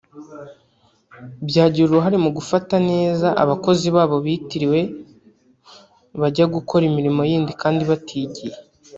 byagira uruhare mu gufata neza abakozi babo batiriwe bajya gukora imirimo yindi kandi batigiye